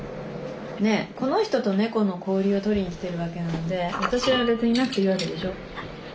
ねえこの人と猫の交流を撮りに来てるわけなんで私は別にいなくていいわけでしょ？